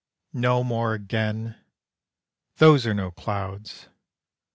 No more again! those are no clouds!